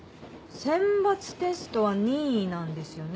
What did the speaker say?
選抜テストは任意なんですよね。